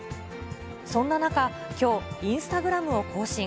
そんな中、きょう、インスタグラムを更新。